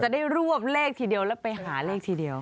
ได้รวบเลขทีเดียวแล้วไปหาเลขทีเดียว